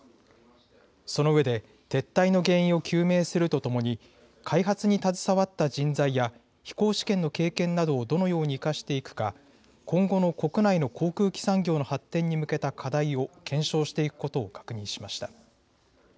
そのうえで撤退の原因を究明するとともに開発に携わった人材や飛行試験の経験などをどのように生かしていくか今後の国内の航空機産業の発展に向けた課題を検証していくことを確認しました。